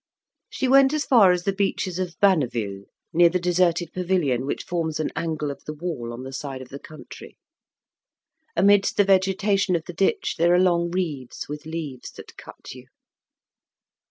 She went as far as the beeches of Banneville, near the deserted pavilion which forms an angle of the wall on the side of the country. Amidst the vegetation of the ditch there are long reeds with leaves that cut you.